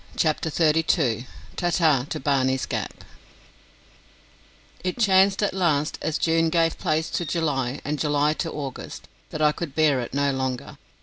CHAPTER THIRTY TWO Ta Ta to Barney's Gap It chanced at last, as June gave place to July and July to August, that I could bear it no longer.